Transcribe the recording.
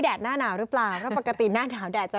หน้าหนาวหรือเปล่าแล้วปกติหน้าหนาวแดดจะ